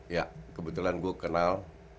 ya kebetulan gue kenal